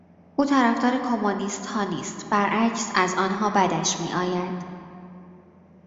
او طرفدار کمونیستها نیست، برعکس از آنها بدش میآید.